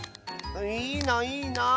いいないいなあ。